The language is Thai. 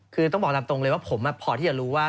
คือต้องบอกตามตรงเลยว่าผมพอที่จะรู้ว่า